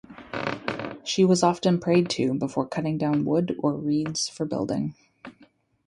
She was often prayed to before cutting down wood or reeds for building.